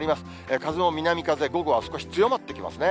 風も南風、午後は少し強まってきますね。